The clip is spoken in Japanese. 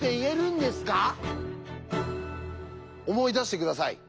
思い出して下さい。